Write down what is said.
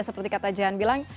seperti kata jehan bilang